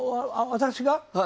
私が？